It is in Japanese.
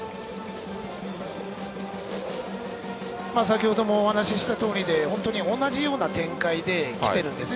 先ほどもお話したとおりで同じような展開できているんです